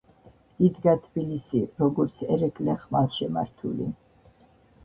იდგა თბილისი როგორც ერეკლე ხმალშემართული